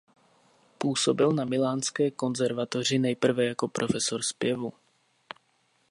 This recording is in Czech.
Působil na milánské konzervatoři nejprve jako profesor zpěvu.